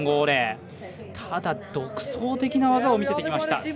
ただ、独創的な技を見せてきました。